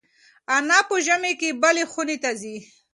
انا په ژمي کې بلې خونې ته ځي.